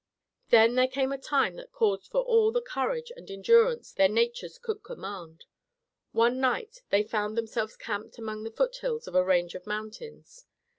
Then there came a time that called for all the courage and endurance their natures could command. One night they found themselves camped among the foothills of a range of mountains.